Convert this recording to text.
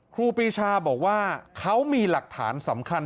ครูปีชาบอกว่าเขามีหลักฐานสำคัญ